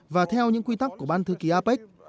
và theo những quy tắc của ban thư ký apec